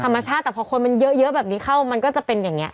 ธรรมชาติแต่พอคนมันเยอะแบบนี้เข้ามันก็จะเป็นอย่างนี้